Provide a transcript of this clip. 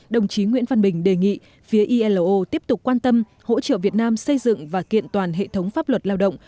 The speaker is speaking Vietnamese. đồng chí nguyễn văn bình đề nghị phía ilo tiếp tục quan tâm hỗ trợ việt nam xây dựng và kiện toàn hệ thống pháp luật lao động